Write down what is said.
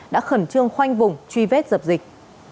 đã khẩn trương khoanh vùng truy vết dập dịch